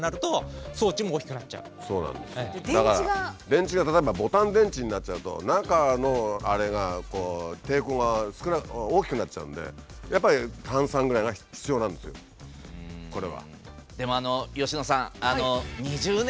電池が例えばボタン電池になっちゃうと中のあれが抵抗が大きくなっちゃうんでやっぱり単３ぐらいが必要なんですよこれは。